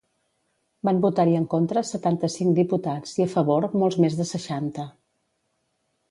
Van votar-hi en contra setanta-cinc diputats i a favor molts més de seixanta.